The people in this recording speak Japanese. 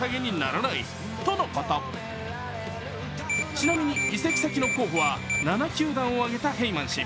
ちなみに移籍先の候補は７球団を挙げたヘイマン氏。